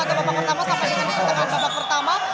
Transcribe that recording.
atau babak pertama sampai dengan di pertengahan babak pertama